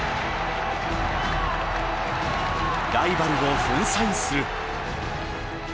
ライバルを粉砕する。